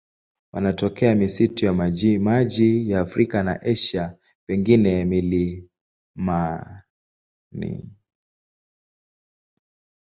Wanatokea misitu ya majimaji ya Afrika na Asia, pengine milimani.